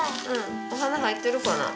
お花入ってるかな？